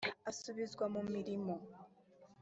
asubizwa mu mirimo